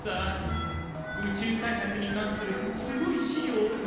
宇宙開発に関するすごい資料を受け取りにね。